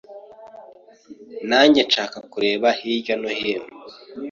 Nanjye nshaka kureba hirya no hino